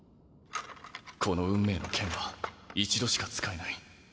この運命の剣は一度しか使えない。